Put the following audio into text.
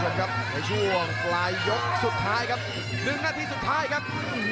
ในช่วงปลายยกสุดท้ายครับดึงหน้าที่สุดท้ายครับ